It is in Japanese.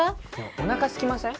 おなかすきません？